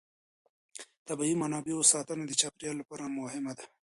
د طبیعي منابعو ساتنه د چاپېر یال لپاره مهمه ده.